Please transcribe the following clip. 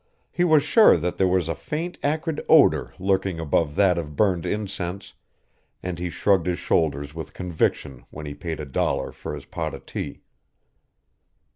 He was sure that there was a faint, acrid odor lurking above that of burned incense, and he shrugged his shoulders with conviction when he paid a dollar for his pot of tea.